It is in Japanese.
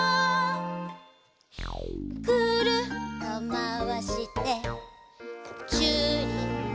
「くるっとまわしてチューリップ」